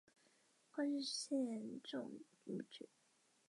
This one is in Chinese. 塞舌耳泥龟曾被认为是非洲侧颈龟属的一个成员。